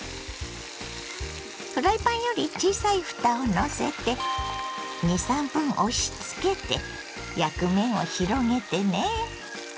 フライパンより小さいふたをのせて２３分押しつけて焼く面を広げてね。